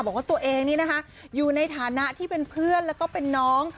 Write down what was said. บอกว่าตัวเองนี่นะคะอยู่ในฐานะที่เป็นเพื่อนแล้วก็เป็นน้อง